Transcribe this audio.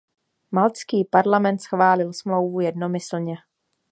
Maltský parlament schválil smlouvu jednomyslně.